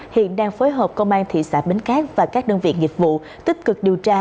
hiện đang phối hợp công an thị xã bến cát và các đơn vị nghiệp vụ tích cực điều tra